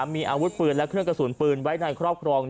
มีอาวุธปืนและเครื่องกระสุนปืนไว้ในครอบครอง